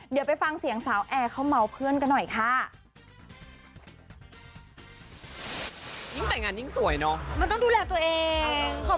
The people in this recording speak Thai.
เดี๋ยวไปฟังเสียงสาวแอร์เขาเมาส์เพื่อนกันหน่อยค่ะ